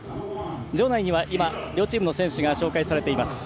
場内には両チームの選手が紹介されています。